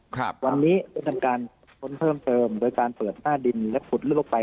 ครับวันนี้ด้วยการทนเพิ่มเติมโดยการเปิดหน้าดินและฝุดลูกไฟ